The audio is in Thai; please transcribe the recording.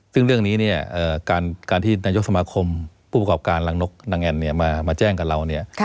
ซึ่งเรื่องนี้เนี่ยการที่นายกสมาคมผู้ประกอบการรังนกนางแอนมาแจ้งกับเราเนี่ย